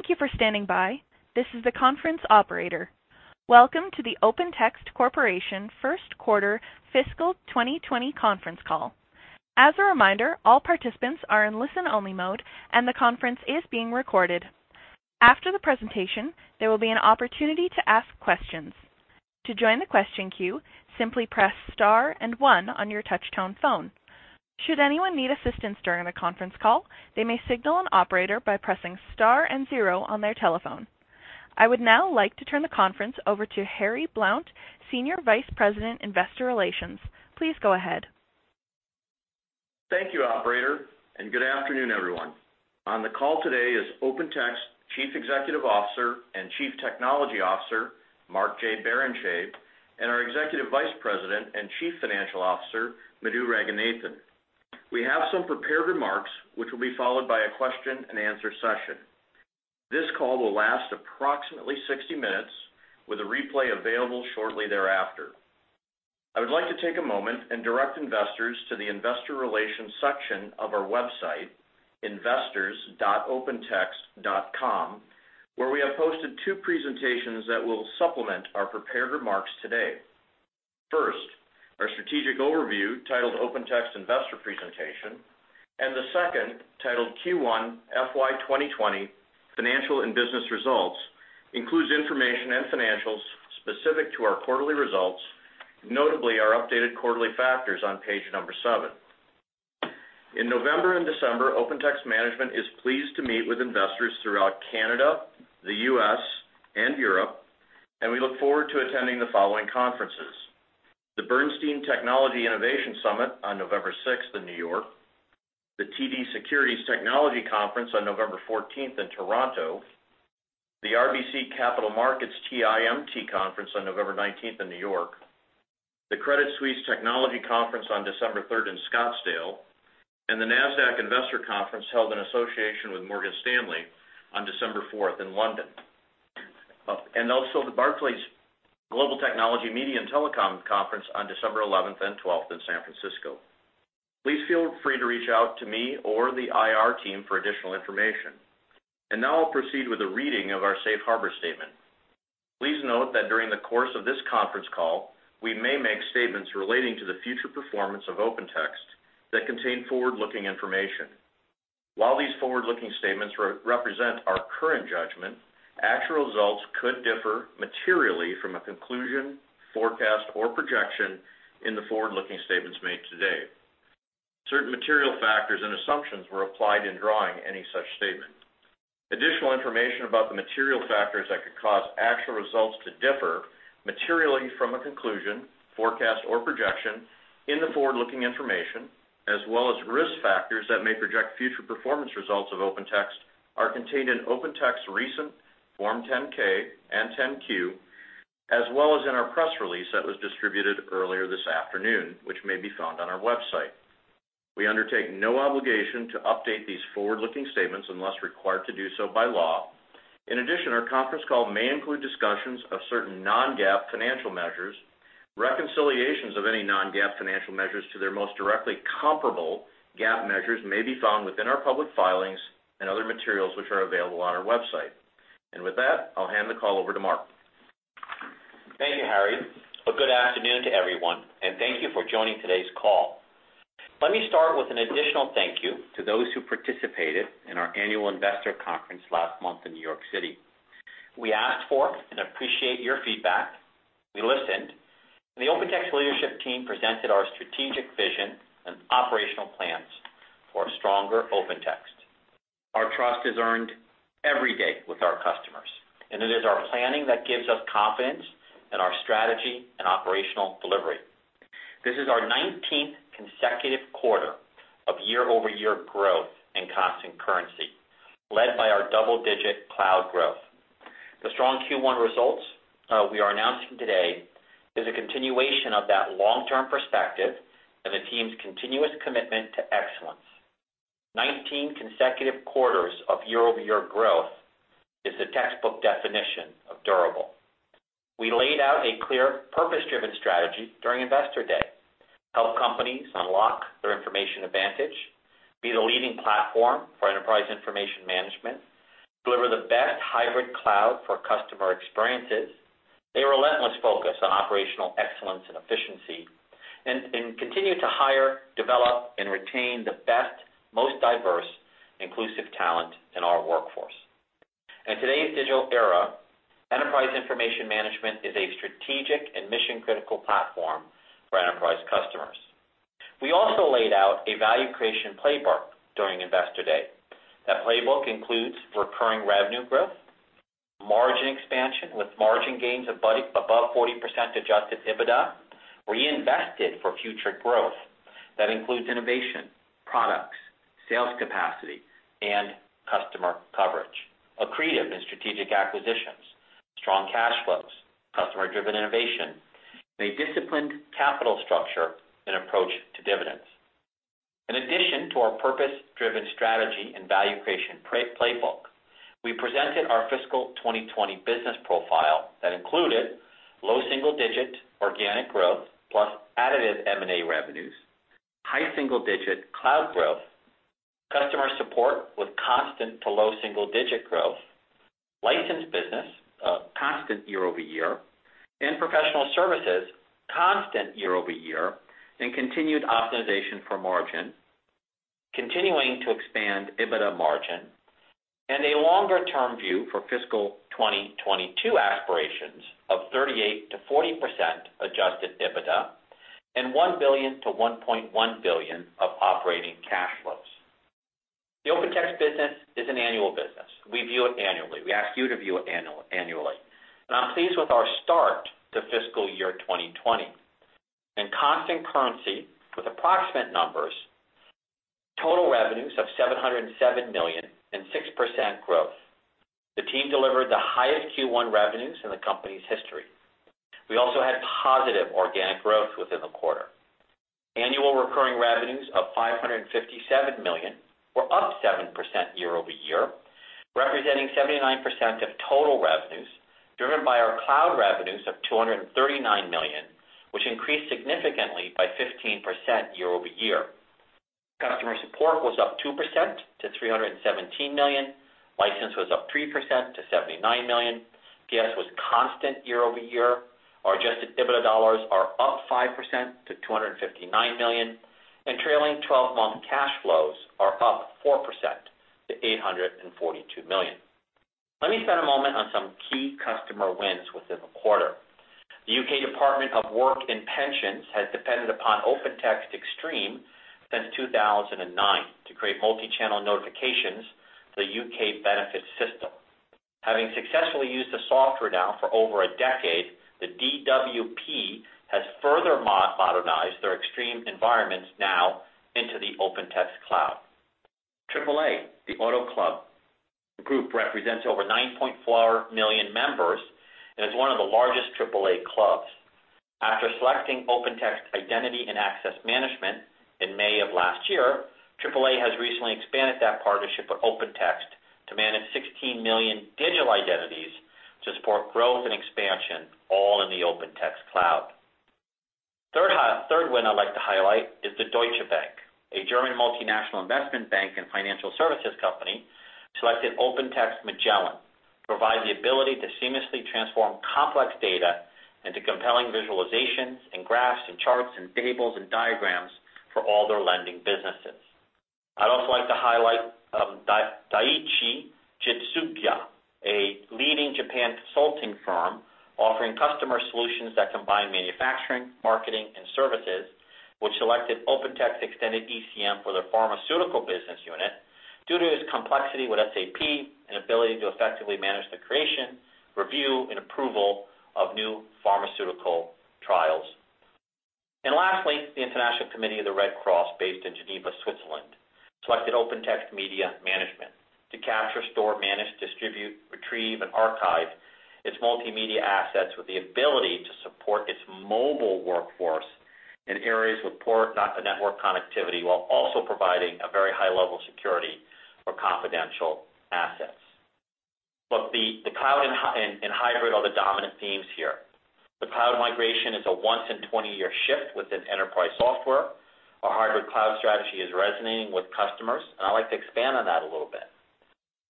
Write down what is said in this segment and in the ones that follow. Thank you for standing by. This is the conference operator. Welcome to the Open Text Corporation First Quarter Fiscal 2020 conference call. As a reminder, all participants are in listen-only mode, and the conference is being recorded. After the presentation, there will be an opportunity to ask questions. To join the question queue, simply press star and one on your touchtone phone. Should anyone need assistance during the conference call, they may signal an operator by pressing star and zero on their telephone. I would now like to turn the conference over to Harry Blount, Senior Vice President, Investor Relations. Please go ahead. Thank you, operator. Good afternoon, everyone. On the call today is Open Text Chief Executive Officer and Chief Technology Officer, Mark J. Barrenechea, and our Executive Vice President and Chief Financial Officer, Madhu Ranganathan. We have some prepared remarks, which will be followed by a question and answer session. This call will last approximately 60 minutes, with a replay available shortly thereafter. I would like to take a moment and direct investors to the investor relations section of our website, investors.opentext.com, where we have posted two presentations that will supplement our prepared remarks today. First, our strategic overview titled Open Text Investor Presentation, and the second, titled Q1 FY 2020 Financial and Business Results, includes information and financials specific to our quarterly results, notably our updated quarterly factors on page number seven. In November and December, Open Text management is pleased to meet with investors throughout Canada, the U.S., and Europe, and we look forward to attending the following conferences: the Bernstein Technology Innovation Summit on November 6th in New York, the TD Securities Technology Conference on November 14th in Toronto, the RBC Capital Markets TIMT Conference on November 19th in New York, the Credit Suisse Technology Conference on December 3rd in Scottsdale, and the Nasdaq Investor Conference held in association with Morgan Stanley on December 4th in London. Also the Barclays Global Technology, Media, and Telecom Conference on December 11th and 12th in San Francisco. Please feel free to reach out to me or the IR team for additional information. Now I'll proceed with a reading of our safe harbor statement. Please note that during the course of this conference call, we may make statements relating to the future performance of Open Text that contain forward-looking information. While these forward-looking statements represent our current judgment, actual results could differ materially from a conclusion, forecast, or projection in the forward-looking statements made today. Certain material factors and assumptions were applied in drawing any such statement. Additional information about the material factors that could cause actual results to differ materially from a conclusion, forecast, or projection in the forward-looking information, as well as risk factors that may project future performance results of Open Text, are contained in Open Text's recent Form 10-K and 10-Q, as well as in our press release that was distributed earlier this afternoon, which may be found on our website. We undertake no obligation to update these forward-looking statements unless required to do so by law. In addition, our conference call may include discussions of certain non-GAAP financial measures. Reconciliations of any non-GAAP financial measures to their most directly comparable GAAP measures may be found within our public filings and other materials, which are available on our website. With that, I'll hand the call over to Mark. Thank you, Harry. A good afternoon to everyone, and thank you for joining today's call. Let me start with an additional thank you to those who participated in our annual investor conference last month in New York City. We asked for and appreciate your feedback. We listened, and the Open Text leadership team presented our strategic vision and operational plans for a stronger Open Text. Our trust is earned every day with our customers, and it is our planning that gives us confidence in our strategy and operational delivery. This is our 19th consecutive quarter of year-over-year growth and constant currency, led by our double-digit cloud growth. The strong Q1 results we are announcing today is a continuation of that long-term perspective and the team's continuous commitment to excellence. 19 consecutive quarters of year-over-year growth is the textbook definition of durable. We laid out a clear purpose-driven strategy during Investor Day: help companies unlock their information advantage, be the leading platform for enterprise information management, deliver the best hybrid cloud for customer experiences, a relentless focus on operational excellence and efficiency, and continue to hire, develop, and retain the best, most diverse, inclusive talent in our workforce. In today's digital era, enterprise information management is a strategic and mission-critical platform for enterprise customers. We also laid out a value creation playbook during Investor Day. That playbook includes recurring revenue growth, margin expansion with margin gains above 40% adjusted EBITDA, reinvested for future growth. That includes innovation, products, sales capacity, and customer coverage, accretive and strategic acquisitions, strong cash flows, customer-driven innovation, a disciplined capital structure, and approach to dividends. In addition to our purpose-driven strategy and value creation playbook, we presented our fiscal 2020 business profile that included low single-digit organic growth plus additive M&A revenues. High single-digit cloud growth. Customer support with constant to low single-digit growth. Licensed business, constant year-over-year. Professional services, constant year-over-year, and continued optimization for margin. Continuing to expand EBITDA margin and a longer-term view for fiscal 2022 aspirations of 38%-40% adjusted EBITDA and $1 billion-$1.1 billion of operating cash flows. The OpenText business is an annual business. We view it annually. We ask you to view it annually. I'm pleased with our start to fiscal year 2020. In constant currency with approximate numbers, total revenues of $707 million and 6% growth. The team delivered the highest Q1 revenues in the company's history. We also had positive organic growth within the quarter. Annual recurring revenues of $557 million were up 7% year-over-year, representing 79% of total revenues, driven by our cloud revenues of $239 million, which increased significantly by 15% year-over-year. Customer support was up 2% to $317 million. License was up 3% to $79 million. GXS was constant year-over-year. Our adjusted EBITDA dollars are up 5% to $259 million, and trailing 12-month cash flows are up 4% to $842 million. Let me spend a moment on some key customer wins within the quarter. The U.K. Department for Work and Pensions has depended upon OpenText Exstream since 2009 to create multi-channel notifications for the U.K. benefits system. Having successfully used the software now for over a decade, the DWP has further modernized their Exstream environments now into the OpenText Cloud. AAA, the auto club group, represents over 9.4 million members and is one of the largest AAA clubs. After selecting OpenText Identity and Access Management in May of last year, AAA has recently expanded that partnership with OpenText to manage 16 million digital identities to support growth and expansion, all in the OpenText cloud. Third win I'd like to highlight is the Deutsche Bank, a German multinational investment bank and financial services company, selected OpenText Magellan to provide the ability to seamlessly transform complex data into compelling visualizations and graphs and charts and tables and diagrams for all their lending businesses. I'd also like to highlight Daiichi Jitsugyo, a leading Japan consulting firm offering customer solutions that combine manufacturing, marketing, and services, which selected OpenText Extended ECM for their pharmaceutical business unit due to its complexity with SAP and ability to effectively manage the creation, review, and approval of new pharmaceutical trials. Lastly, the International Committee of the Red Cross, based in Geneva, Switzerland, selected OpenText Media Management to capture, store, manage, distribute, retrieve, and archive its multimedia assets with the ability to support its mobile workforce in areas with poor network connectivity, while also providing a very high level of security for confidential assets. Look, the cloud and hybrid are the dominant themes here. The cloud migration is a once-in-20-year shift within enterprise software. Our hybrid cloud strategy is resonating with customers, and I'd like to expand on that a little bit.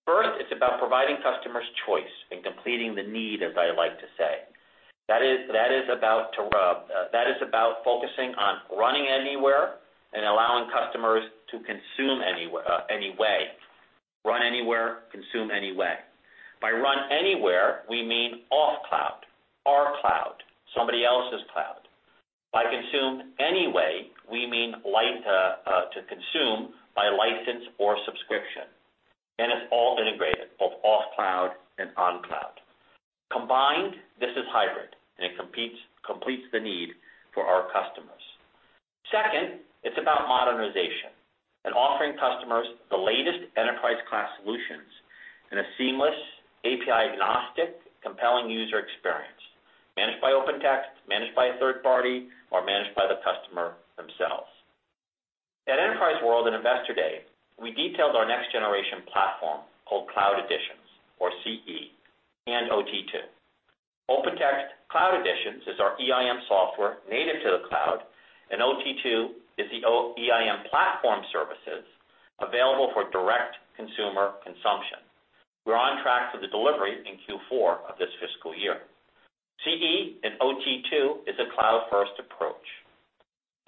First, it's about providing customers choice and completing the need, as I like to say. That is about focusing on running anywhere and allowing customers to consume any way. Run anywhere, consume any way. By run anywhere, we mean off cloud, our cloud, somebody else's cloud. By consume any way, we mean to consume by license or subscription. It's all integrated, both off cloud and on cloud. Combined, this is hybrid, and it completes the need for our customers. Second, it's about modernization and offering customers the latest enterprise-class solutions in a seamless, API-agnostic, compelling user experience managed by OpenText, managed by a third party, or managed by the customer themselves. At OpenText World and Investor Day, we detailed our next generation platform called Cloud Editions, or CE, and OT2. OpenText Cloud Editions is our EIM software native to the cloud, and OT2 is the EIM platform services available for direct consumer consumption. We're on track for the delivery in Q4 of this fiscal year. CE and OT2 is a cloud-first approach.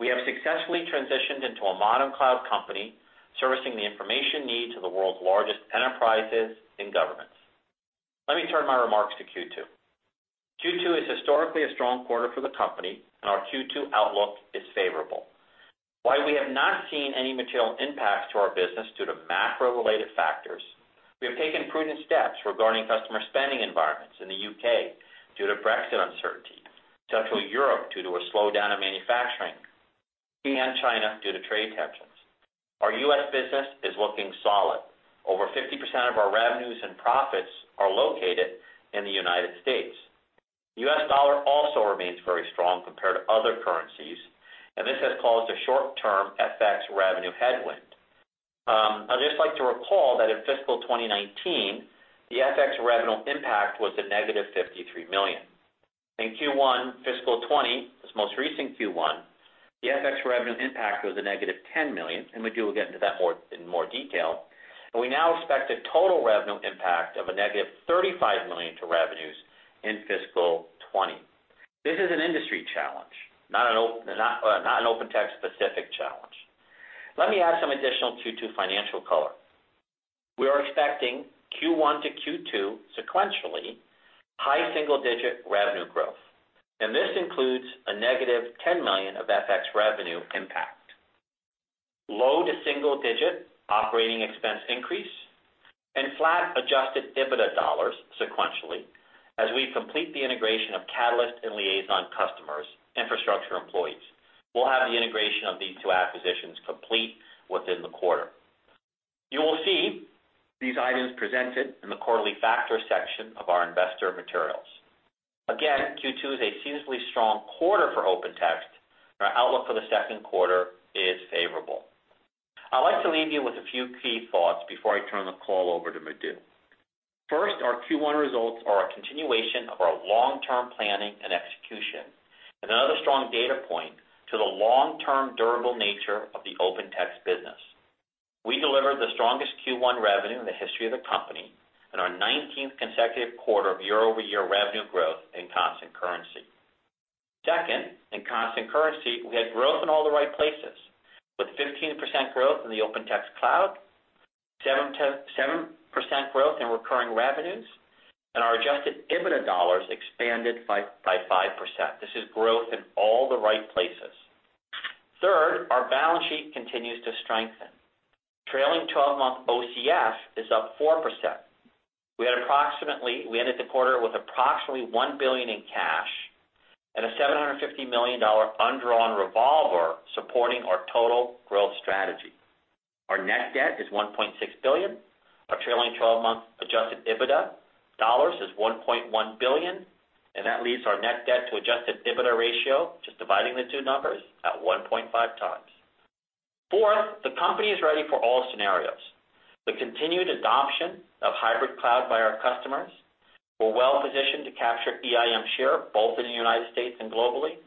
We have successfully transitioned into a modern cloud company servicing the information needs of the world's largest enterprises and governments. Let me turn my remarks to Q2. Q2 is historically a strong quarter for the company, and our Q2 outlook is favorable. While we have not seen any material impacts to our business due to macro-related factors, we have taken prudent steps regarding customer spending environments in the U.K. due to Brexit uncertainty, Central Europe due to a slowdown in manufacturing, and China due to trade tensions. Our U.S. business is looking solid. Over 50% of our revenues and profits are located in the United States. The US dollar also remains very strong compared to other currencies. This has caused a short-term FX revenue headwind. I'd just like to recall that in fiscal 2019, the FX revenue impact was -$53 million. In Q1 fiscal 2020, this most recent Q1, the FX revenue impact was -$10 million. Madhu will get into that in more detail. We now expect a total revenue impact of -$35 million to revenues in fiscal 2020. This is an industry challenge, not an OpenText specific challenge. Let me add some additional Q2 financial color. We are expecting Q1 to Q2 sequentially high single-digit revenue growth. This includes -$10 million of FX revenue impact. Low to single-digit operating expense increase and flat adjusted EBITDA dollars sequentially as we complete the integration of Catalyst and Liaison customers, infrastructure employees. We'll have the integration of these two acquisitions complete within the quarter. You will see these items presented in the quarterly factor section of our investor materials. Again, Q2 is a seasonally strong quarter for Open Text. Our outlook for the second quarter is favorable. I'd like to leave you with a few key thoughts before I turn the call over to Madhu. First, our Q1 results are a continuation of our long-term planning and execution and another strong data point to the long-term durable nature of the Open Text business. We delivered the strongest Q1 revenue in the history of the company and our 19th consecutive quarter of year-over-year revenue growth in constant currency. Second, in constant currency, we had growth in all the right places, with 15% growth in the Open Text Cloud, 7% growth in recurring revenues, and our adjusted EBITDA dollars expanded by 5%. This is growth in all the right places. Third, our balance sheet continues to strengthen. Trailing 12-month OCF is up 4%. We ended the quarter with approximately $1 billion in cash and a $750 million undrawn revolver supporting our total growth strategy. Our net debt is $1.6 billion. Our trailing 12-month adjusted EBITDA dollars is $1.1 billion. That leaves our net debt to adjusted EBITDA ratio, just dividing the two numbers, at 1.5 times. Fourth, the company is ready for all scenarios. The continued adoption of hybrid cloud by our customers. We're well positioned to capture EIM share both in the U.S. and globally.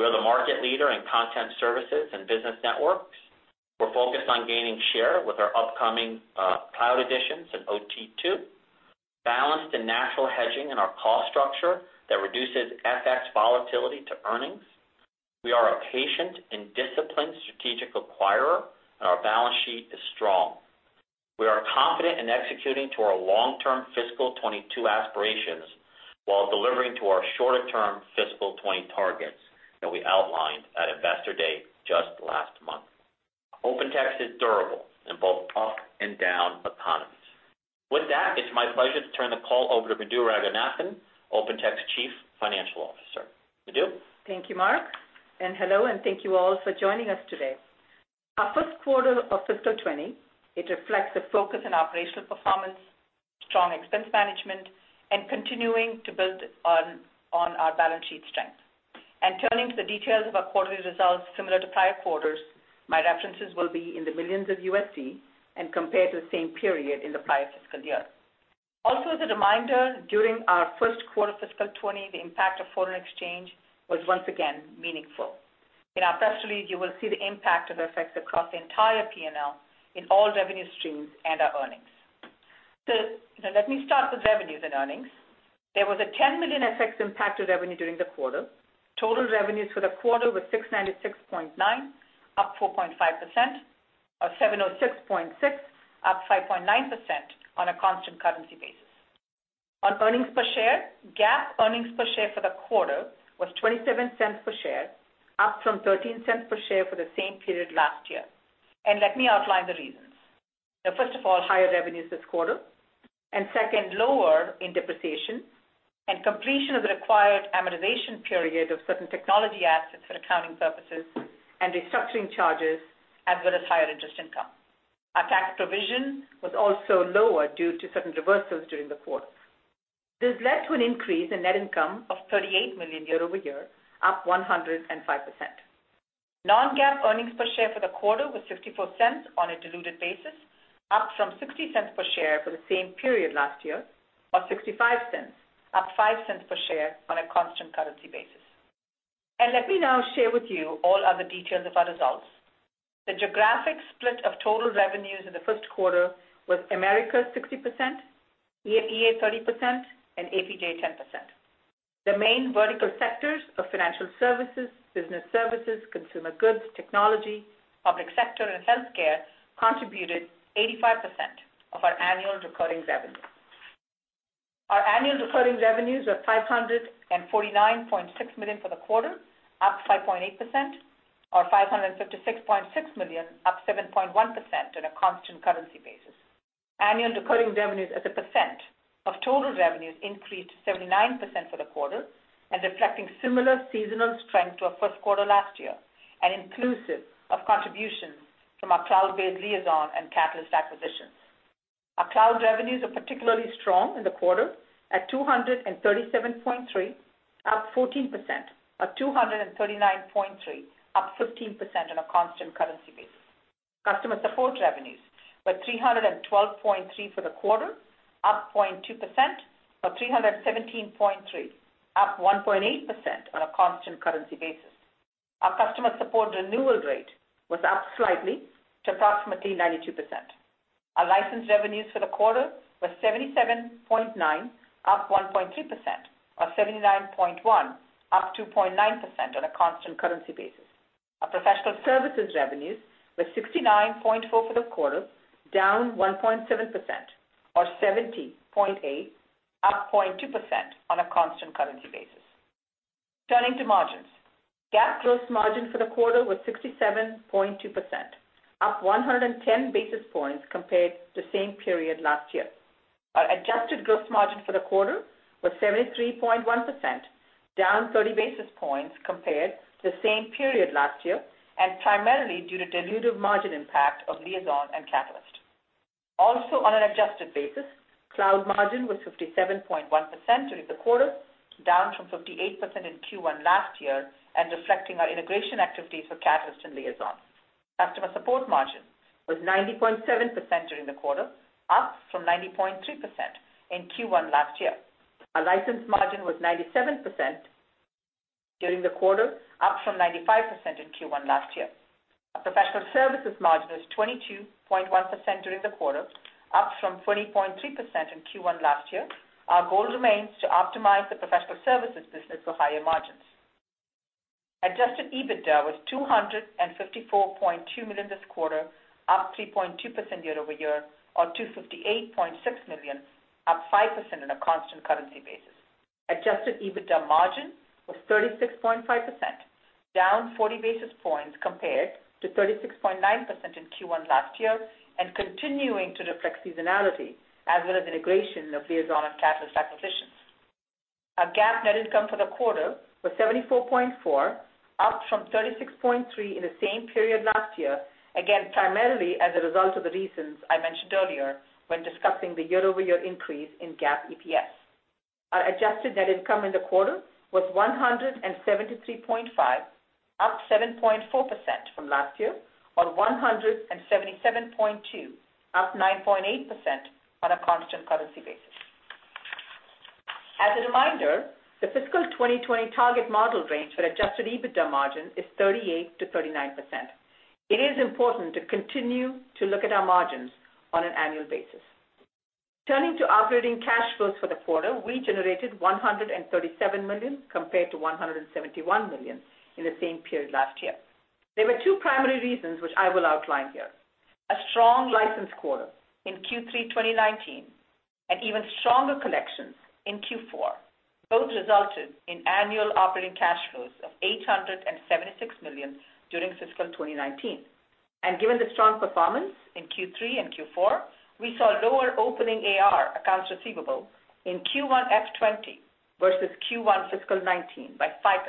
We are the market leader in content services and business networks. We're focused on gaining share with our upcoming Cloud Editions in OT2. Balanced and natural hedging in our cost structure that reduces FX volatility to earnings. We are a patient and disciplined strategic acquirer, and our balance sheet is strong. We are confident in executing to our long-term fiscal 2022 aspirations while delivering to our shorter term fiscal 2020 targets that we outlined at investor day just last month. Open Text is durable in both up and down economies. With that, it's my pleasure to turn the call over to Madhu Ranganathan, Open Text Chief Financial Officer. Madhu? Thank you, Mark. Hello, and thank you all for joining us today. Our first quarter of fiscal 2020, it reflects a focus on operational performance, strong expense management, and continuing to build on our balance sheet strength. Turning to the details of our quarterly results similar to prior quarters, my references will be in the millions of USD and compared to the same period in the prior fiscal year. Also, as a reminder, during our first quarter fiscal 2020, the impact of foreign exchange was once again meaningful. In our press release, you will see the impact of FX across the entire P&L in all revenue streams and our earnings. Let me start with revenues and earnings. There was a $10 million FX impact to revenue during the quarter. Total revenues for the quarter were $696.9, up 4.5%, or $706.6, up 5.9% on a constant currency basis. On earnings per share, GAAP earnings per share for the quarter was $0.27 per share, up from $0.13 per share for the same period last year. Let me outline the reasons. First of all, higher revenues this quarter. Second, lower depreciation and completion of the required amortization period of certain technology assets for accounting purposes and restructuring charges, as well as higher interest income. Our tax provision was also lower due to certain reversals during the quarter. This led to an increase in net income of $38 million year-over-year, up 105%. Non-GAAP earnings per share for the quarter was $0.54 on a diluted basis, up from $0.60 per share for the same period last year, or $0.65, up $0.05 per share on a constant currency basis. Let me now share with you all other details of our results. The geographic split of total revenues in the first quarter was America 60%, EMEA 30%, and APJ 10%. The main vertical sectors of financial services, business services, consumer goods, technology, public sector, and healthcare contributed 85% of our annual recurring revenue. Our annual recurring revenues were $549.6 million for the quarter, up 5.8%, or $556.6 million, up 7.1% on a constant currency basis. Annual recurring revenues as a percent of total revenues increased to 79% for the quarter and reflecting similar seasonal strength to our first quarter last year and inclusive of contributions from our cloud-based Liaison and Catalyst acquisitions. Our cloud revenues are particularly strong in the quarter at $237.3 million, up 14%, or $239.3 million, up 15% on a constant currency basis. Customer support revenues were $312.3 million for the quarter, up 0.2%, or $317.3 million, up 1.8% on a constant currency basis. Our customer support renewal rate was up slightly to approximately 92%. Our license revenues for the quarter were $77.9, up 1.3%, or $79.1, up 2.9% on a constant currency basis. Our professional services revenues were $69.4 for the quarter, down 1.7%, or $70.8, up 0.2% on a constant currency basis. Turning to margins. GAAP gross margin for the quarter was 67.2%, up 110 basis points compared to the same period last year. Our adjusted gross margin for the quarter was 73.1%, down 30 basis points compared to the same period last year, and primarily due to dilutive margin impact of Liaison and Catalyst. Also on an adjusted basis, cloud margin was 57.1% during the quarter, down from 58% in Q1 last year and reflecting our integration activities for Catalyst and Liaison. Customer support margin was 90.7% during the quarter, up from 90.3% in Q1 last year. Our license margin was 97% during the quarter, up from 95% in Q1 last year. Our professional services margin was 22.1% during the quarter, up from 20.3% in Q1 last year. Our goal remains to optimize the professional services business for higher margins. Adjusted EBITDA was $254.2 million this quarter, up 3.2% year-over-year, or $258.6 million, up 5% on a constant currency basis. Adjusted EBITDA margin was 36.5%, down 40 basis points compared to 36.9% in Q1 last year and continuing to reflect seasonality as well as integration of Liaison and Catalyst acquisitions. Our GAAP net income for the quarter was $74.4, up from $36.3 in the same period last year, again, primarily as a result of the reasons I mentioned earlier when discussing the year-over-year increase in GAAP EPS. Our adjusted net income in the quarter was $173.5, up 7.4% from last year, or $177.2, up 9.8% on a constant currency basis. As a reminder, the fiscal 2020 target model range for adjusted EBITDA margin is 38% to 39%. It is important to continue to look at our margins on an annual basis. Turning to operating cash flows for the quarter, we generated $137 million compared to $171 million in the same period last year. There were two primary reasons which I will outline here. A strong license quarter in Q3 2019, and even stronger collections in Q4 both resulted in annual operating cash flows of $876 million during fiscal 2019. Given the strong performance in Q3 and Q4, we saw lower opening AR, accounts receivable, in Q1 FY 2020 versus Q1 fiscal 2019 by 5%,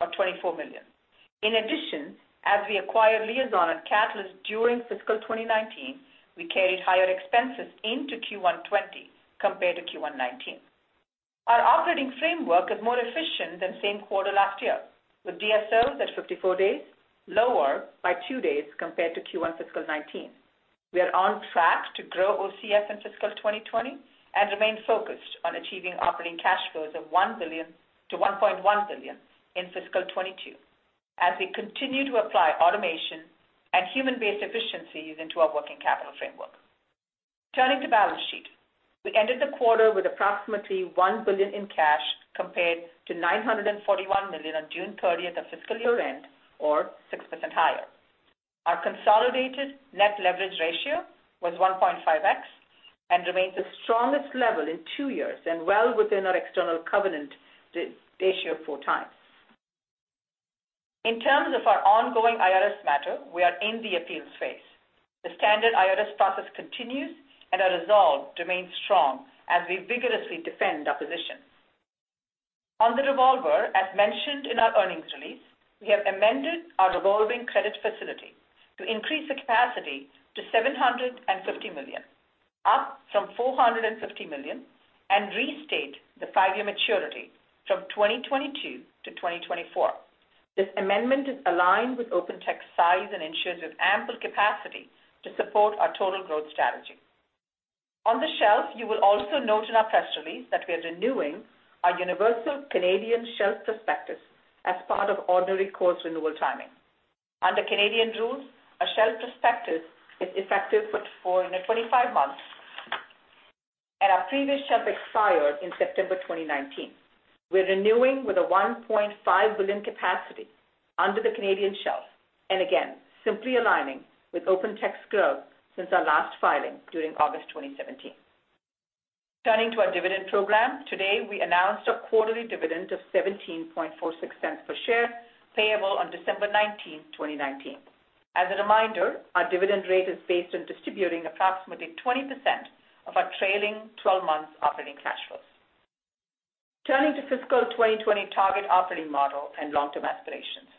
or $24 million. As we acquired Liaison and Catalyst during fiscal 2019, we carried higher expenses into Q1 2020 compared to Q1 2019. Our operating framework is more efficient than same quarter last year, with DSOs at 54 days, lower by two days compared to Q1 fiscal 2019. We are on track to grow OCF in fiscal 2020 and remain focused on achieving operating cash flows of $1 billion to $1.1 billion in fiscal 2022 as we continue to apply automation and human-based efficiencies into our working capital framework. Turning to balance sheet. We ended the quarter with approximately $1 billion in cash compared to $941 million on June 30th of fiscal year-end, or 6% higher. Our consolidated net leverage ratio was 1.5x and remains the strongest level in two years and well within our external covenant ratio of 4x. In terms of our ongoing IRS matter, we are in the appeals phase. The standard IRS process continues, our resolve remains strong as we vigorously defend our position. On the revolver, as mentioned in our earnings release, we have amended our revolving credit facility to increase the capacity to $750 million, up from $450 million, and restate the five-year maturity from 2022 to 2024. This amendment is aligned with Open Text size and ensures we have ample capacity to support our total growth strategy. On the shelf, you will also note in our press release that we are renewing our universal Canadian shelf prospectus as part of ordinary course renewal timing. Under Canadian rules, a shelf prospectus is effective for 25 months, and our previous shelf expired in September 2019. We're renewing with a $1.5 billion capacity under the Canadian shelf, and again, simply aligning with Open Text growth since our last filing during August 2017. Turning to our dividend program. Today, we announced a quarterly dividend of $0.1746 per share, payable on December 19th, 2019. As a reminder, our dividend rate is based on distributing approximately 20% of our trailing 12 months operating cash flows to fiscal 2020 target operating model and long-term aspirations.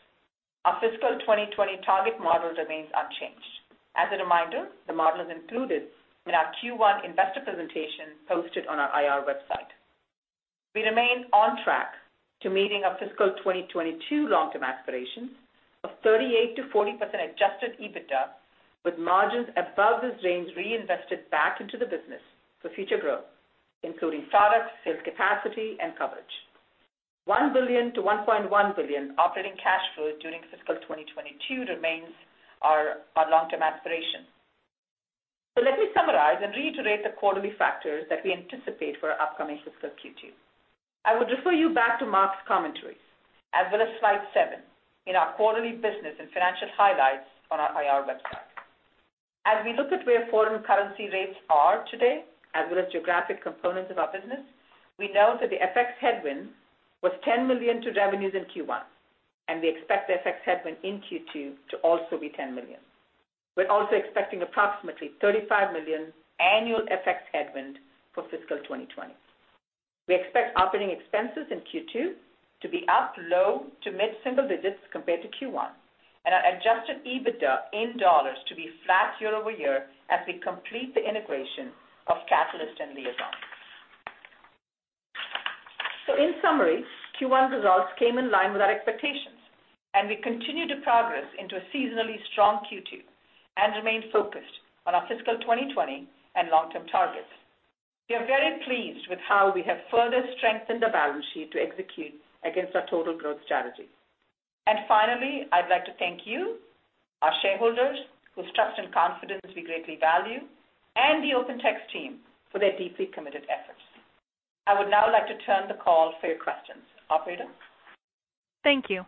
Our fiscal 2020 target model remains unchanged. As a reminder, the model is included in our Q1 investor presentation posted on our IR website. We remain on track to meeting our fiscal 2022 long-term aspirations of 38%-40% adjusted EBITDA, with margins above this range reinvested back into the business for future growth, including products, sales capacity, and coverage. $1 billion-$1.1 billion operating cash flow during fiscal 2022 remains our long-term aspiration. Let me summarize and reiterate the quarterly factors that we anticipate for our upcoming fiscal Q2. I would refer you back to Mark's commentary, as well as slide seven in our quarterly business and financial highlights on our IR website. As we look at where foreign currency rates are today, as well as geographic components of our business, we know that the FX headwind was $10 million to revenues in Q1, and we expect the FX headwind in Q2 to also be $10 million. We're also expecting approximately $35 million annual FX headwind for fiscal 2020. We expect operating expenses in Q2 to be up low to mid single digits compared to Q1, and our adjusted EBITDA in dollars to be flat year-over-year as we complete the integration of Catalyst and Liaison. In summary, Q1 results came in line with our expectations, and we continue to progress into a seasonally strong Q2 and remain focused on our fiscal 2020 and long-term targets. We are very pleased with how we have further strengthened the balance sheet to execute against our total growth strategy. Finally, I'd like to thank you, our shareholders, whose trust and confidence we greatly value, and the Open Text team for their deeply committed efforts. I would now like to turn the call for your questions. Operator? Thank you.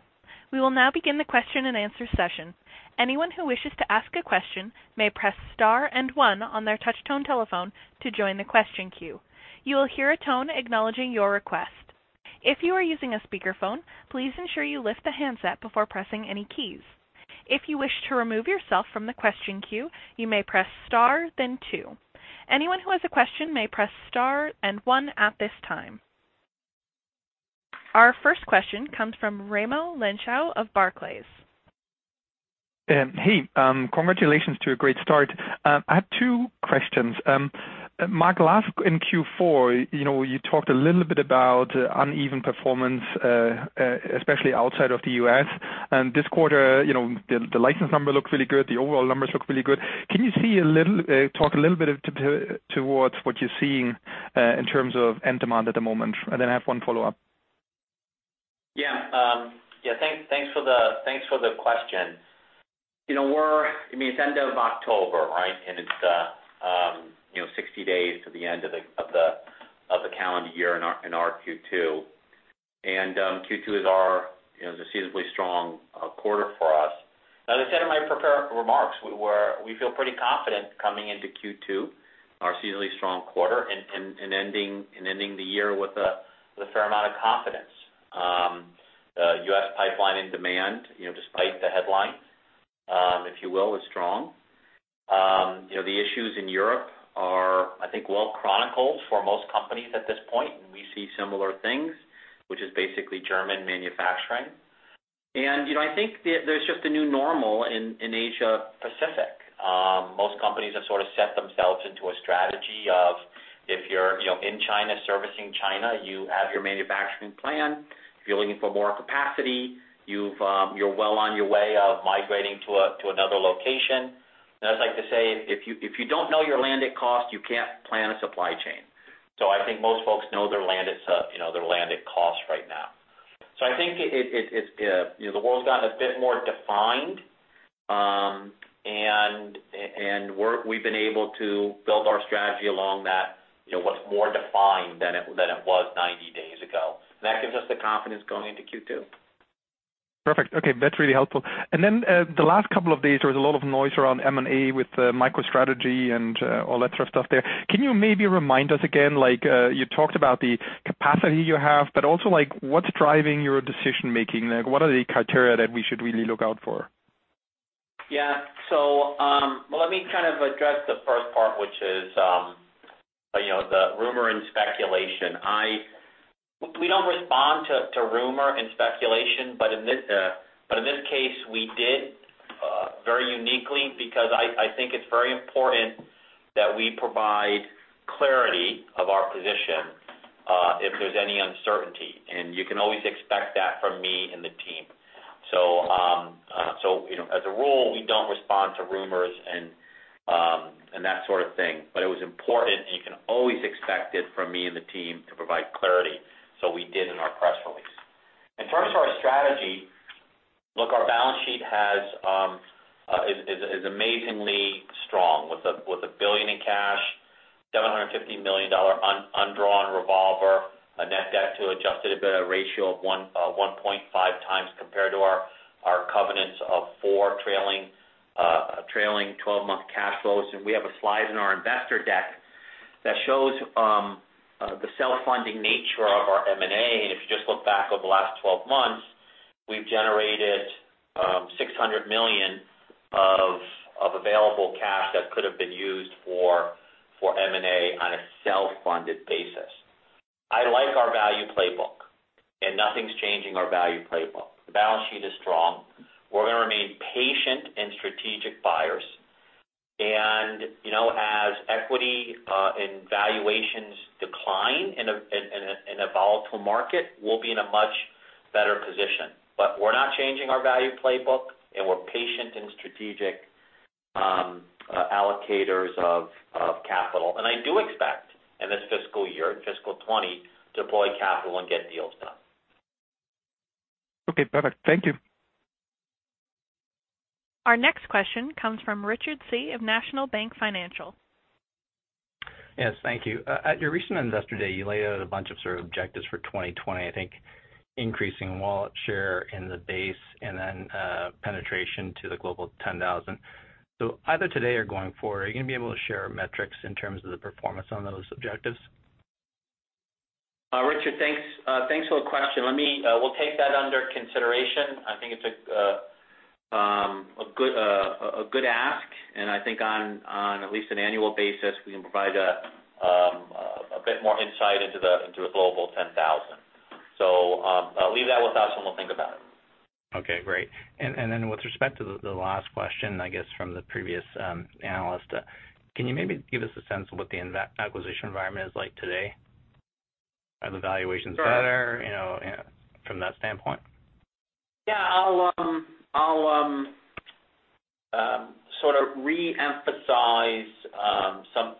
We will now begin the question and answer session. Anyone who wishes to ask a question may press star and one on their touch-tone telephone to join the question queue. You will hear a tone acknowledging your request. If you are using a speakerphone, please ensure you lift the handset before pressing any keys. If you wish to remove yourself from the question queue, you may press star then two. Anyone who has a question may press star and one at this time. Our first question comes from Raimo Lenschow of Barclays. Hey, congratulations to a great start. I have two questions. Mark, last in Q4, you talked a little bit about uneven performance, especially outside of the U.S. This quarter, the license number looks really good. The overall numbers look really good. Can you talk a little bit towards what you're seeing in terms of end demand at the moment? I have one follow-up. Yeah. Thanks for the question. It's end of October, right? It's 60 days to the end of the calendar year in our Q2. Q2 is a seasonally strong quarter for us. As I said in my prepared remarks, we feel pretty confident coming into Q2, our seasonally strong quarter, and ending the year with a fair amount of confidence. The U.S. pipeline in demand, despite the headlines, if you will, is strong. The issues in Europe are, I think, well chronicled for most companies at this point, and we see similar things, which is basically German manufacturing. I think there's just a new normal in Asia Pacific. Most companies have sort of set themselves into a strategy of, if you're in China servicing China, you have your manufacturing plan. If you're looking for more capacity, you're well on your way of migrating to another location. I'd like to say, if you don't know your landed cost, you can't plan a supply chain. I think most folks know their landed cost right now. I think the world's gotten a bit more defined, and we've been able to build our strategy along that, what's more defined than it was 90 days ago. That gives us the confidence going into Q2. Perfect. Okay. That's really helpful. The last couple of days, there was a lot of noise around M&A with MicroStrategy and all that sort of stuff there. Can you maybe remind us again? You talked about the capacity you have, also what's driving your decision-making? What are the criteria that we should really look out for? Yeah. Let me kind of address the first part, which is the rumor and speculation. We don't respond to rumor and speculation, but in this case, we did very uniquely because I think it's very important that we provide clarity of our position if there's any uncertainty. You can always expect that from me and the team. As a rule, we don't respond to rumors and that sort of thing. It was important, and you can always expect it from me and the team to provide clarity, so we did in our press release. In terms of our strategy, look, our balance sheet is amazingly strong with $1 billion in cash, $750 million undrawn revolver, a net debt to adjusted EBITDA ratio of 1.5 times compared to our covenants of four trailing 12-month cash flows. We have a slide in our investor deck that shows the self-funding nature of our M&A. If you just look back over the last 12 months. We've generated $600 million of available cash that could've been used for M&A on a self-funded basis. I like our value playbook, and nothing's changing our value playbook. The balance sheet is strong. We're going to remain patient and strategic buyers. As equity and valuations decline in a volatile market, we'll be in a much better position. We're not changing our value playbook, and we're patient and strategic allocators of capital. I do expect in this fiscal year, in fiscal 2020, to deploy capital and get deals done. Okay, perfect. Thank you. Our next question comes from Richard Tse of National Bank Financial. Yes, thank you. At your recent investor day, you laid out a bunch of sort of objectives for 2020, I think increasing wallet share in the base and then penetration to the Global 10,000. Either today or going forward, are you going to be able to share metrics in terms of the performance on those objectives? Richard, thanks for the question. We'll take that under consideration. I think it's a good ask, and I think on at least an annual basis, we can provide a bit more insight into the Global 10,000. Leave that with us, and we'll think about it. Okay, great. With respect to the last question, I guess, from the previous analyst, can you maybe give us a sense of what the acquisition environment is like today? Are the valuations better- Sure from that standpoint? Yeah. I'll sort of reemphasize some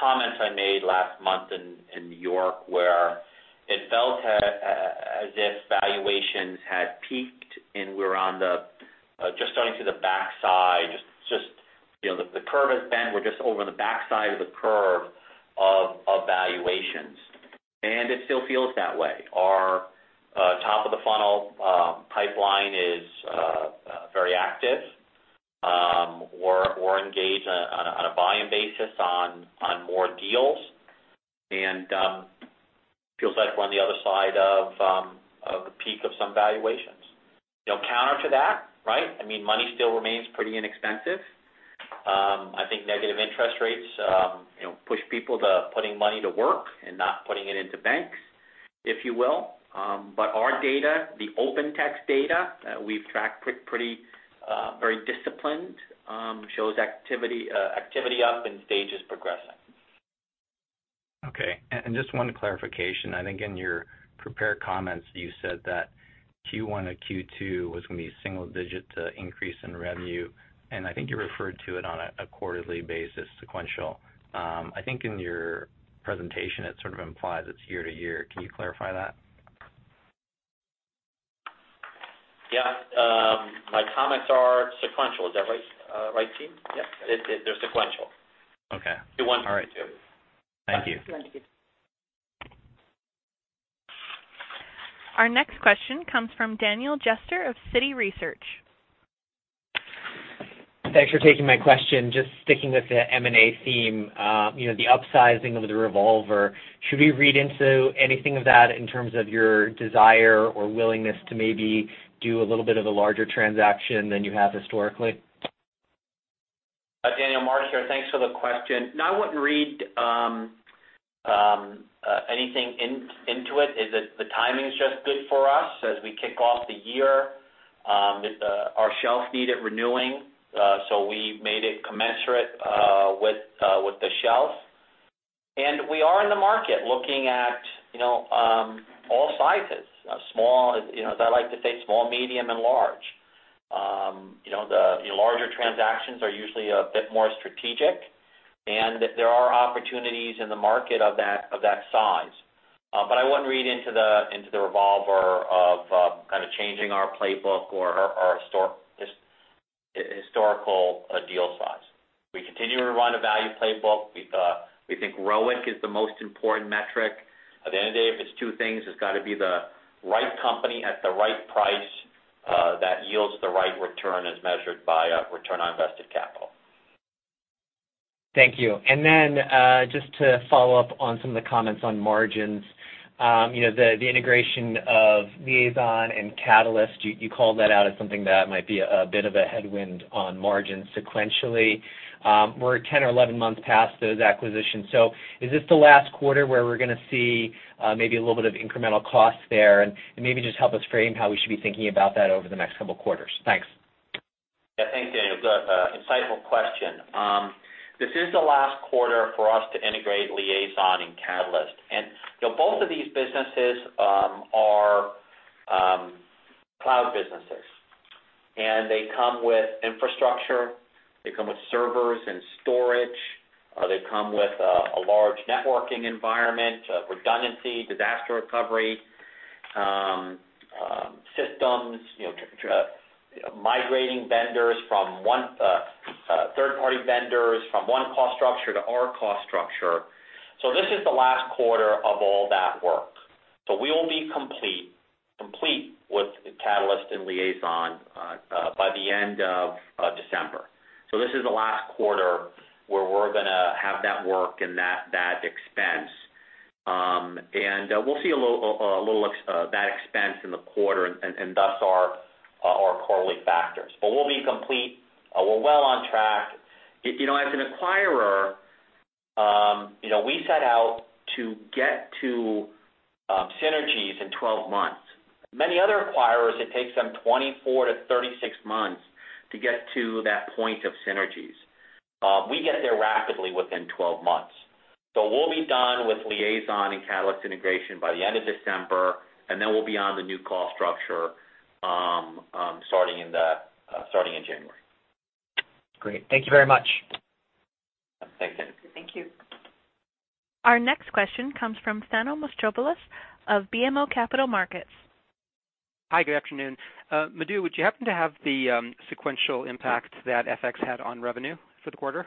comments I made last month in New York, where it felt as if valuations had peaked and we're just starting to the backside, the curve has bent. We're just over the backside of the curve of valuations. It still feels that way. Our top of the funnel pipeline is very active. We're engaged on a volume basis on more deals. Feels like we're on the other side of the peak of some valuations. Counter to that, money still remains pretty inexpensive. I think negative interest rates push people to putting money to work and not putting it into banks, if you will. Our data, the Open Text data, we've tracked very disciplined, shows activity up and stages progressing. Okay. Just one clarification. I think in your prepared comments, you said that Q1 to Q2 was going to be a single digit increase in revenue, and I think you referred to it on a quarterly basis sequential. I think in your presentation, it sort of implies it's year-to-year. Can you clarify that? Yeah. My comments are sequential. Is that right, team? Yep. They're sequential. Okay. Q1-Q2. All right. Thank you. Our next question comes from Daniel Jester of Citi Research. Thanks for taking my question. Just sticking with the M&A theme, the upsizing of the revolver, should we read into anything of that in terms of your desire or willingness to maybe do a little bit of a larger transaction than you have historically? Daniel, Mark here. Thanks for the question. I wouldn't read anything into it. The timing's just good for us as we kick off the year. Our shelf needed renewing, we made it commensurate with the shelf. We are in the market looking at all sizes. As I like to say, small, medium and large. The larger transactions are usually a bit more strategic, and there are opportunities in the market of that size. I wouldn't read into the revolver of kind of changing our playbook or our historical deal size. We continue to run a value playbook. We think ROIC is the most important metric. At the end of the day, if it's two things, it's got to be the right company at the right price that yields the right return as measured by return on invested capital. Thank you. Just to follow up on some of the comments on margins. The integration of Liaison and Catalyst, you called that out as something that might be a bit of a headwind on margins sequentially. We're 10 or 11 months past those acquisitions. Is this the last quarter where we're going to see maybe a little bit of incremental costs there? Maybe just help us frame how we should be thinking about that over the next couple quarters. Thanks. Yeah, thanks, Daniel. Good, insightful question. This is the last quarter for us to integrate Liaison and Catalyst. Both of these businesses are cloud businesses. They come with infrastructure, they come with servers and storage, or they come with a large networking environment, redundancy, disaster recovery systems, migrating third-party vendors from one cost structure to our cost structure. This is the last quarter of all that work. We will be complete with Catalyst and Liaison by the end of December. This is the last quarter where we're going to have that work and that expense. We'll see a little of that expense in the quarter and thus our quarterly factors. We'll be complete. We're well on track. As an acquirer, we set out to get to synergies in 12 months. Many other acquirers, it takes them 24-36 months to get to that point of synergies. We get there rapidly within 12 months. We'll be done with Liaison and Catalyst integration by the end of December, and then we'll be on the new call structure starting in January. Great. Thank you very much. Thanks, Tim. Thank you. Our next question comes from Thanos Moschopoulos of BMO Capital Markets. Hi, good afternoon. Madhu, would you happen to have the sequential impact that FX had on revenue for the quarter?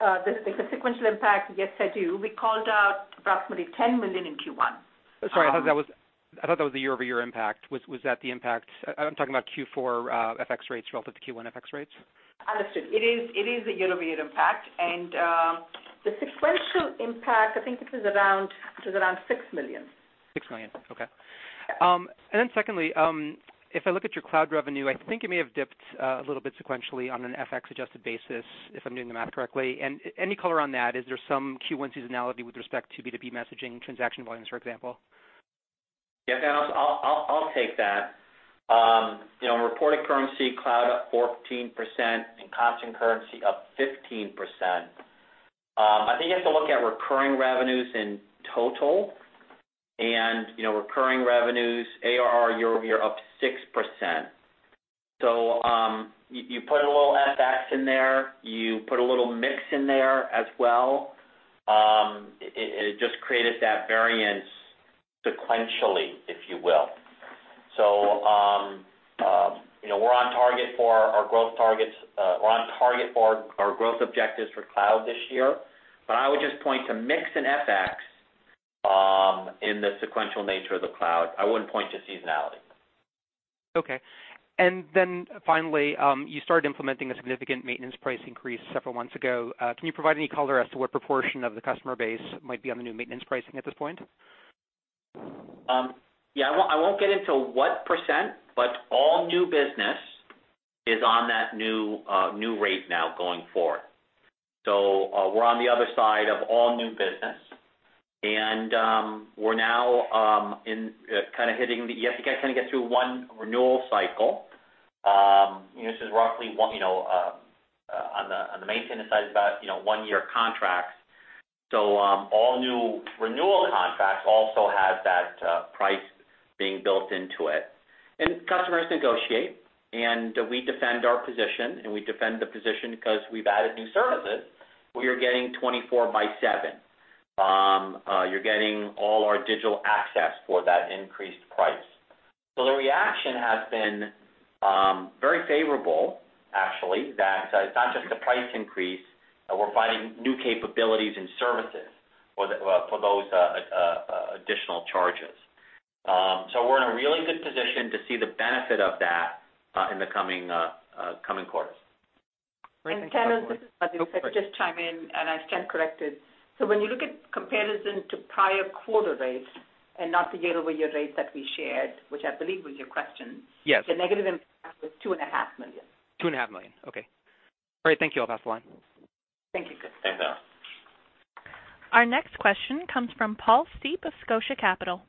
The sequential impact? Yes, I do. We called out approximately $10 million in Q1. Sorry, I thought that was the year-over-year impact. I'm talking about Q4 FX rates relative to Q1 FX rates. Understood. It is a year-over-year impact. The sequential impact, I think it was around $6 million. $6 million. Okay. Yeah. Secondly, if I look at your cloud revenue, I think it may have dipped a little bit sequentially on an FX adjusted basis, if I'm doing the math correctly. Any color on that, is there some Q1 seasonality with respect to B2B messaging transaction volumes, for example? Yeah, Thanos, I'll take that. Reporting currency Cloud up 14% and constant currency up 15%. I think you have to look at recurring revenues in total. Recurring revenues ARR year-over-year up 6%. You put a little FX in there, you put a little mix in there as well, it just created that variance sequentially, if you will. We're on target for our growth objectives for Cloud this year, but I would just point to mix and FX in the sequential nature of the Cloud. I wouldn't point to seasonality. Okay. Finally, you started implementing a significant maintenance price increase several months ago. Can you provide any color as to what proportion of the customer base might be on the new maintenance pricing at this point? Yeah, I won't get into what percent, All new business is on that new rate now going forward. We're on the other side of all new business, You have to get through one renewal cycle. This is roughly, on the maintenance side, about one-year contracts. All new renewal contracts also have that price being built into it. Customers negotiate, and we defend our position, and we defend the position because we've added new services. You're getting 24 by 7. You're getting all our digital access for that increased price. The reaction has been very favorable, actually, that it's not just a price increase. We're providing new capabilities and services for those additional charges. We're in a really good position to see the benefit of that in the coming quarters. Great. Thanks, Mark. Thanos, this is Madhu. Oh, go ahead. Let's just chime in, and I stand corrected. When you look at comparison to prior quarter rates and not the year-over-year rates that we shared, which I believe was your question. Yes the negative impact was $2.5 million. Two and a half million. Okay. All right. Thank you. I'll pass the line. Thank you. Thanks, Thanos. Our next question comes from Paul Steep of Scotia Capital.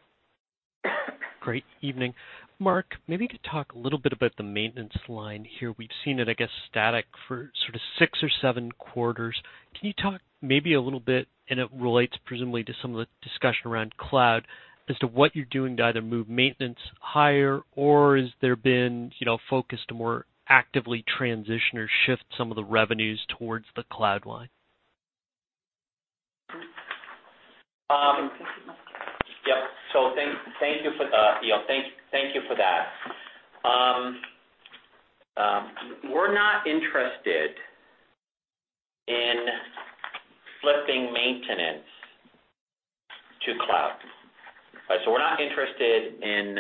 Great evening. Mark, maybe to talk a little bit about the maintenance line here. We've seen it, I guess, static for sort of six or seven quarters. Can you talk maybe a little bit, it relates presumably to some of the discussion around cloud, as to what you're doing to either move maintenance higher or has there been focus to more actively transition or shift some of the revenues towards the cloud line? Yep. Thank you for that. We're not interested in flipping maintenance to cloud. We're not interested in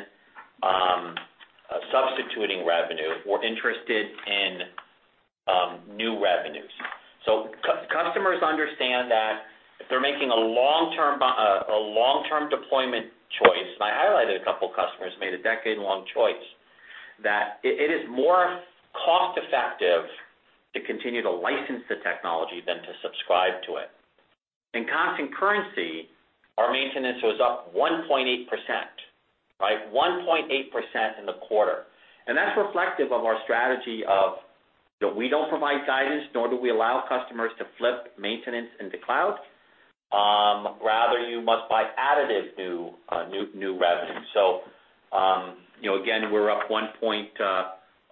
substituting revenue. We're interested in new revenues. Customers understand that if they're making a long-term deployment choice, and I highlighted a couple of customers, made a decade-long choice that it is more cost-effective to continue to license the technology than to subscribe to it. In constant currency, our maintenance was up 1.8%, right? 1.8% in the quarter. That's reflective of our strategy of we don't provide guidance, nor do we allow customers to flip maintenance into cloud. Rather, you must buy additive new revenue. Again, we're up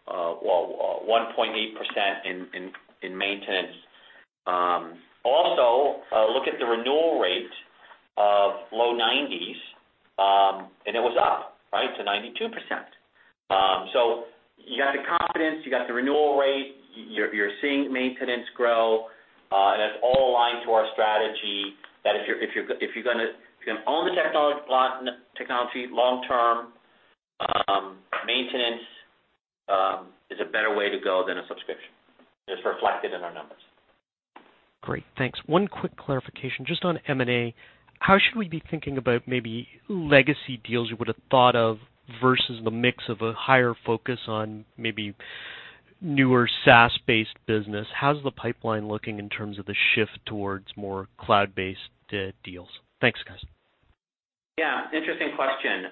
1.8% in maintenance. Also, look at the renewal rate of low nineties, and it was up to 92%. You got the confidence, you got the renewal rate, you're seeing maintenance grow, and that's all aligned to our strategy that if you're going to own the technology long term, maintenance is a better way to go than a subscription, and it's reflected in our numbers. Great. Thanks. One quick clarification, just on M&A. How should we be thinking about maybe legacy deals you would've thought of versus the mix of a higher focus on maybe newer SaaS-based business? How's the pipeline looking in terms of the shift towards more cloud-based deals? Thanks, guys. Yeah, interesting question.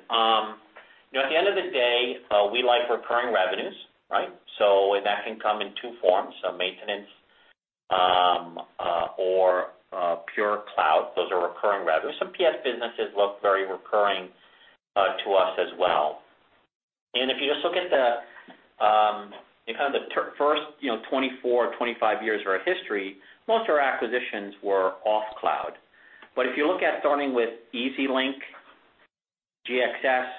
At the end of the day, we like recurring revenues, right? That can come in two forms, maintenance or pure cloud. Those are recurring revenues. Some PS businesses look very recurring to us as well. If you just look at the first 24 or 25 years of our history, most of our acquisitions were off cloud. If you look at starting with EasyLink, GXS,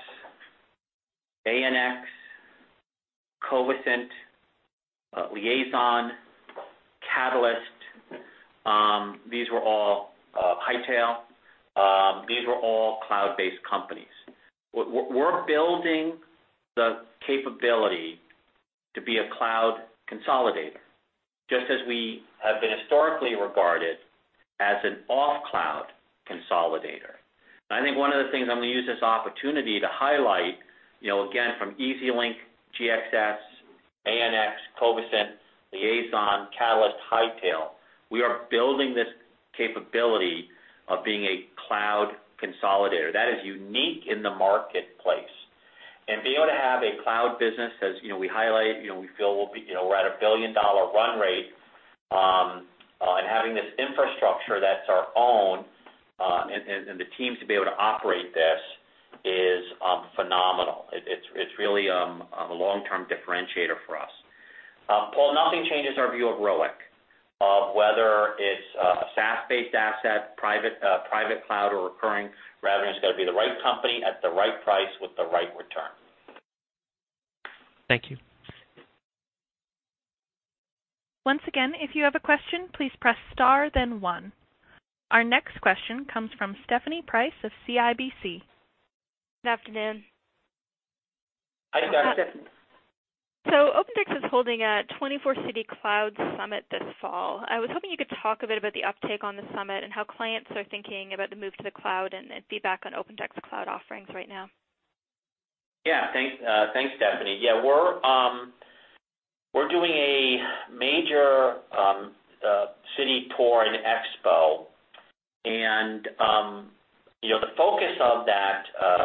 ANX, Covisint, Liaison, Catalyst, Hightail, these were all cloud-based companies. We're building the capability to be a cloud consolidator, just as we have been historically regarded as an off-cloud consolidator. I think one of the things I'm going to use this opportunity to highlight, again, from EasyLink, GXS, ANX, Covisint, Liaison, Catalyst, Hightail, we are building this capability of being a cloud consolidator. That is unique in the marketplace. Being able to have a cloud business as we highlight, we feel we're at a $1 billion run rate, and having this infrastructure that's our own, and the teams to be able to operate this is phenomenal. It's really a long-term differentiator for us. Paul, nothing changes our view of ROIC. Whether it's a SaaS-based asset, private cloud, or recurring revenue, it's got to be the right company at the right price with the right return. Thank you. Once again, if you have a question, please press star then one. Our next question comes from Stephanie Price of CIBC. Good afternoon. Hi there, Stephanie. OpenText is holding a 24-city Cloud Summit this fall. I was hoping you could talk a bit about the uptake on the summit, and how clients are thinking about the move to the cloud, and feedback on OpenText cloud offerings right now. Thanks, Stephanie. We're doing a major city tour and expo. The focus of that,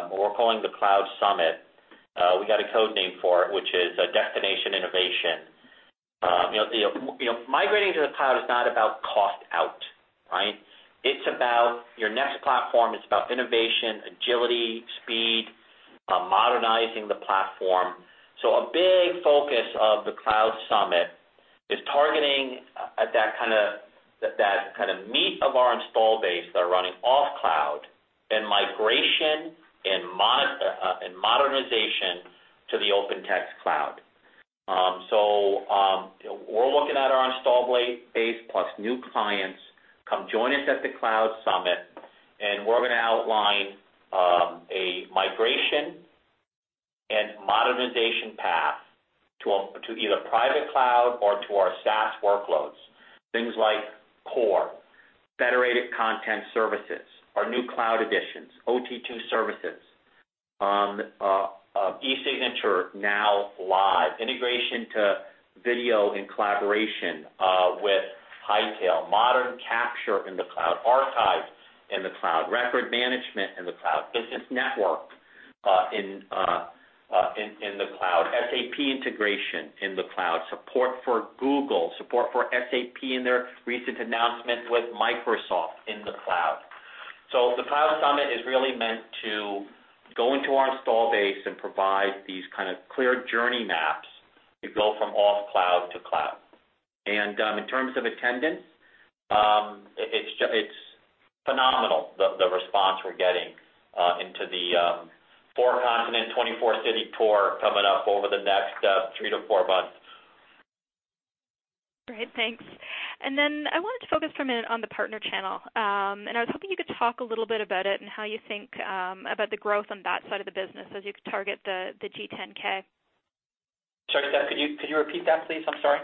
what we're calling the Cloud Summit, we got a code name for it, which is Destination Innovation. Migrating to the cloud is not about cost out, right? It's about your next platform. It's about innovation, agility, speed, modernizing the platform. A big focus of the Cloud Summit is targeting at that kind of meat of our install base that are running off cloud, and migration, and modernization to the OpenText Cloud. We're looking at our install base, plus new clients. Come join us at the Cloud Summit. We're going to outline a migration and modernization path to either private cloud or to our SaaS workloads, things like Core, Federated Content Services, our new Cloud Editions, OT2 services, e-signature, now live. Integration to video and collaboration with Hightail, modern capture in the cloud, archives in the cloud, record management in the cloud, business network in the cloud, SAP integration in the cloud, support for Google, support for SAP in their recent announcement with Microsoft in the cloud. The Cloud Summit is really meant to go into our install base and provide these kind of clear journey maps to go from off cloud to cloud. In terms of attendance, it's phenomenal the response we're getting into the four-continent, 24-city tour coming up over the next three to four months. Great. Thanks. I wanted to focus for a minute on the partner channel. I was hoping you could talk a little bit about it and how you think about the growth on that side of the business as you target the G10K. Sorry, Stephanie, could you repeat that, please? I'm sorry.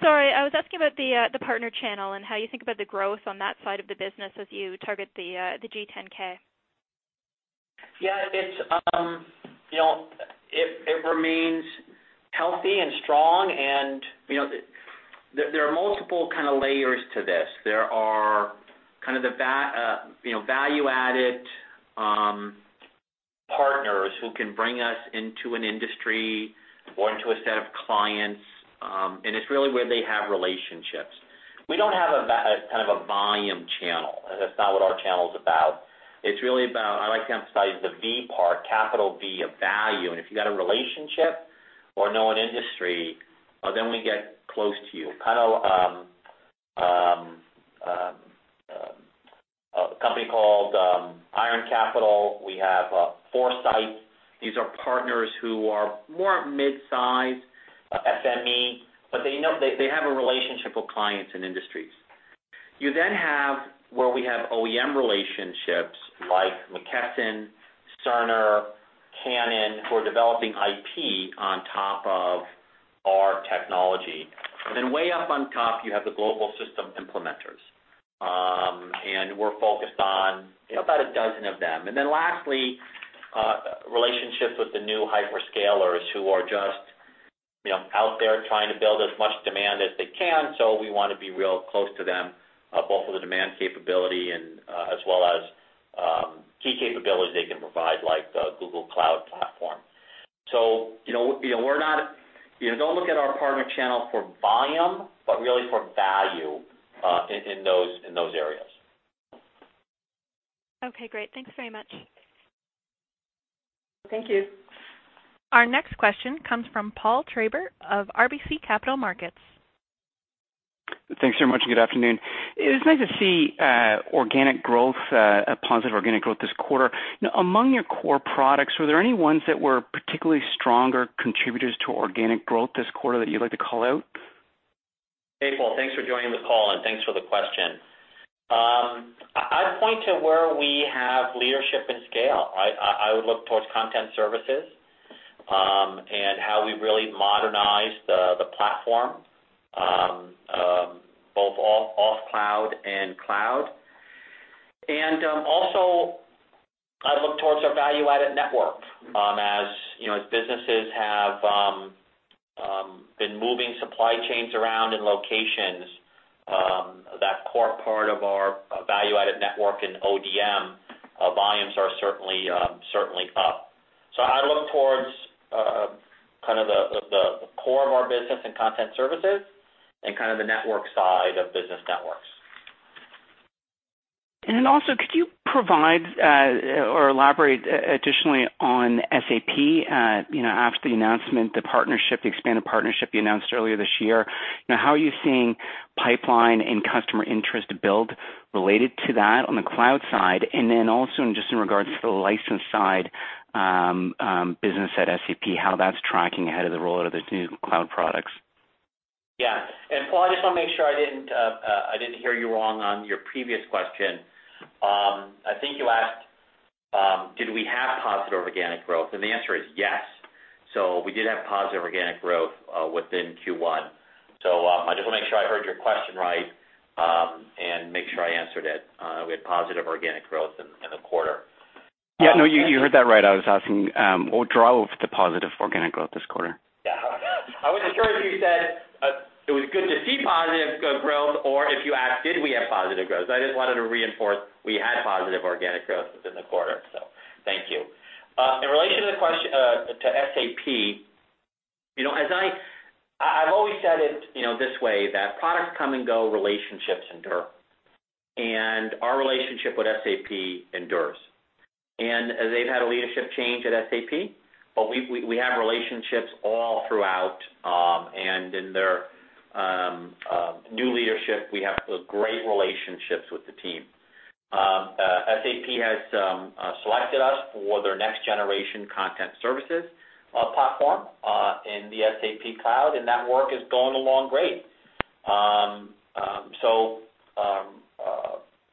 Sorry. I was asking about the partner channel, and how you think about the growth on that side of the business as you target the G10K. Yeah. It remains healthy and strong, and there are multiple layers to this. There are kind of the value-added partners who can bring us into an industry or into a set of clients, and it's really where they have relationships. We don't have a kind of a volume channel. That's not what our channel's about. It's really about, I like to emphasize the V part, capital V of value. If you got a relationship or know an industry, then we get close to you. Kind of a company called Iron Capital, we have Foresight, these are partners who are more mid-size SME, but they have a relationship with clients and industries. You then have where we have OEM relationships like McKesson, Cerner, Canon, who are developing IP on top of our technology. Way up on top, you have the global system implementers, and we're focused on about a dozen of them. Lastly, relationships with the new hyperscalers who are just out there trying to build as much demand as they can. We want to be real close to them, both for the demand capability and as well as key capabilities they can provide, like the Google Cloud Platform. Don't look at our partner channel for volume, but really for value in those areas. Okay, great. Thanks very much. Thank you. Our next question comes from Paul Treiber of RBC Capital Markets. Thanks very much, and good afternoon. It's nice to see positive organic growth this quarter. Among your core products, were there any ones that were particularly stronger contributors to organic growth this quarter that you'd like to call out? Hey, Paul. Thanks for joining the call, and thanks for the question. I'd point to where we have leadership and scale. I would look towards content services, and how we've really modernized the platform, both off cloud and cloud. Also, I look towards our value-added network. As businesses have been moving supply chains around in locations, that core part of our value-added network in ODM volumes are certainly up. I look towards kind of the core of our business and content services and kind of the network side of business networks. Could you provide or elaborate additionally on SAP after the announcement, the expanded partnership you announced earlier this year? How are you seeing pipeline and customer interest build related to that on the cloud side? In regards to the license side business at SAP, how that's tracking ahead of the rollout of the new cloud products. Yeah. Paul, I just want to make sure I didn't hear you wrong on your previous question. I think you asked, did we have positive organic growth? The answer is yes. We did have positive organic growth within Q1. I just want to make sure I heard your question right and make sure I answered it. We had positive organic growth in the quarter. Yeah, no, you heard that right. I was asking what drove the positive organic growth this quarter. Yeah. I wasn't sure if you said it was good to see positive growth or if you asked did we have positive growth. I just wanted to reinforce we had positive organic growth within the quarter, so thank you. In relation to SAP, I've always said it this way, that products come and go, relationships endure, and our relationship with SAP endures. They've had a leadership change at SAP, but we have relationships all throughout, and in their new leadership, we have great relationships with the team. SAP has selected us for their next generation content services platform in the SAP Cloud, and that work is going along great.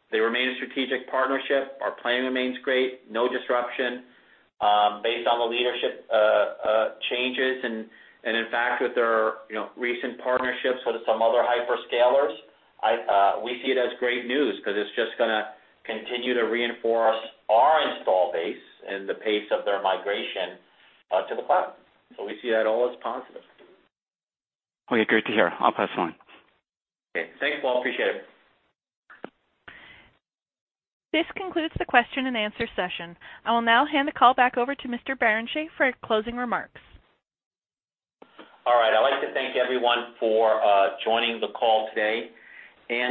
They remain a strategic partnership. Our plan remains great. No disruption based on the leadership changes. In fact, with their recent partnerships with some other hyperscalers, we see it as great news because it's just going to continue to reinforce our install base and the pace of their migration to the cloud. We see that all as positive. Okay, great to hear. I'll pass the line. Okay. Thanks, Paul. Appreciate it. This concludes the question and answer session. I will now hand the call back over to Mr. Barrenechea for closing remarks. All right. I'd like to thank everyone for joining the call today.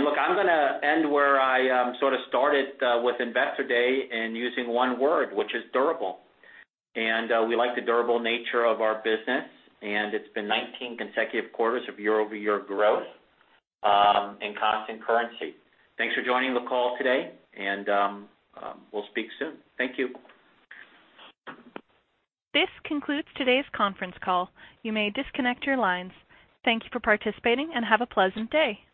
Look, I'm going to end where I sort of started with Investor Day and using one word, which is durable. We like the durable nature of our business, and it's been 19 consecutive quarters of year-over-year growth in constant currency. Thanks for joining the call today, and we'll speak soon. Thank you. This concludes today's conference call. You may disconnect your lines. Thank you for participating, and have a pleasant day.